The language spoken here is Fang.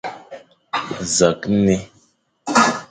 Nẑakh nne,